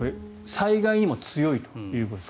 災害にも強いということです。